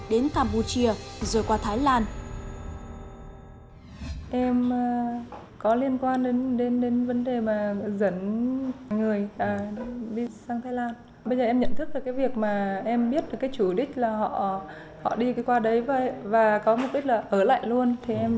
đến campuchia rồi qua thái lan